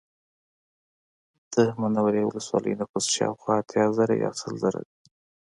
د منورې ولسوالۍ نفوس شاوخوا اتیا زره یا سل زره دی